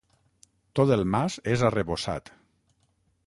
Tot el mas és arrebossat.